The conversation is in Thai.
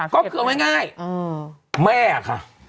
ก็คือง่ายแม่อ่ะค่ะ